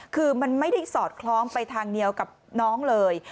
คือมันไม่ได้สอดคล้องไปทางเดียวกับน้องเลย